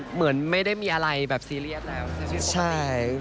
เหมือนไม่ได้มีอะไรแบบซีเรียสแล้ว